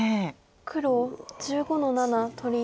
黒１５の七取り。